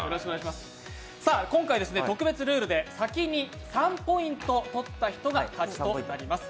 今回、特別ルールで先に３ポイントとった人が勝ちとなります。